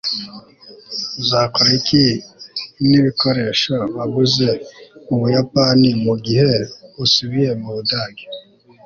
uzakora iki nibikoresho waguze mubuyapani mugihe usubiye mubudage